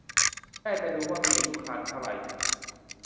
แพทย์จะดูว่ามีอายุครรภ์เท่าไร